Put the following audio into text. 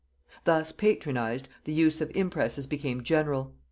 Thus patronized, the use of impresses became general.